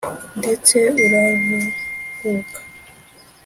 ndetse uraruhuka?